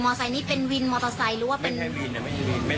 มีวินมอเตอร์ไซด์หรือว่าเป็น